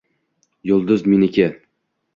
yulduz — meni-ki...